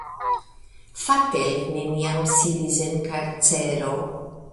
Fakte li neniam sidis en karcero.